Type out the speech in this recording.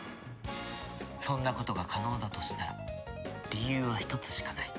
そんなことが可能だとしたら理由は一つしかない。